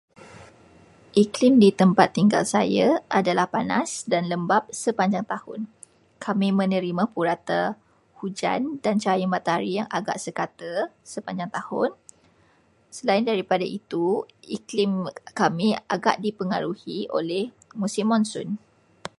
Iklim di tempat saya tinggal adalah panas dan lembap sepanjang tahun. Kami menerima purata hujan dan cahaya matahari yang agak sekata sepanjang tahun. Selain daripada itu, iklim kami agak dipengaruhi oleh musim monsun.